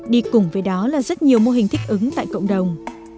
đi cùng với đó là rất nhiều mô hình thích ứng tại cộng đồng